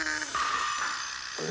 え？